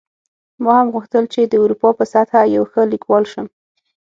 ما هم غوښتل چې د اروپا په سطحه یو ښه لیکوال شم